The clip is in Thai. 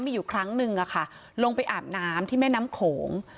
มีอยู่ครั้งนึงลงไปอาบน้ำที่แม่น้ำโขง